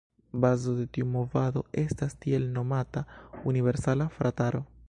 Bazo de tiu movado estas tiel nomata „Universala Frataro“.